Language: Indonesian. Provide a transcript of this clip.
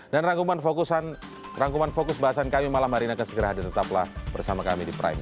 dan rangkuman fokus bahasan kami malam hari ini akan segera hadir tetaplah bersama kami di prime news